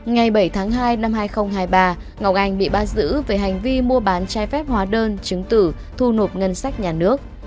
ngày bảy tháng hai năm hai nghìn hai mươi ba ngọc anh bị bắt giữ về hành vi mua bán trái phép hóa đơn chứng tử thu nộp ngân sách nhà nước